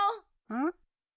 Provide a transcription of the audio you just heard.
うん？